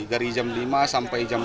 dari jam lima sampai jam tiga